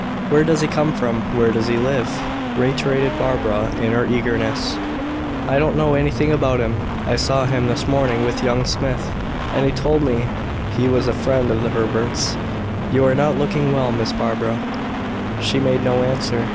"Where does he come from? Where does he live?" reiterated Barbara in her eagerness. "I don't know anything about him. I saw him this morning with young Smith, and he told me he was a friend of the Herberts. You are not looking well, Miss Barbara." She made no answer.